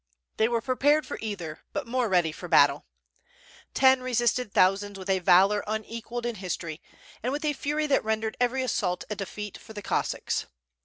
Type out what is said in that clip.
They were prepared for either, but more ready for battle. Ten resisted thousands with a valor unequalled in history, and with a fury that rendered every assault a defeat for the Cossacks.